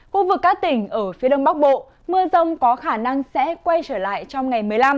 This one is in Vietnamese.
khu vực các tỉnh ở phía đông bắc bộ mưa rông có khả năng sẽ quay trở lại trong ngày một mươi năm